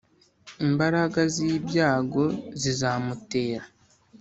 Imbaraga z ibyago zizamutera